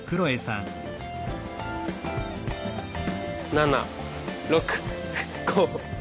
７６５４。